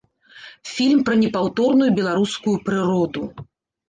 Фільм пра непаўторную беларускую прыроду.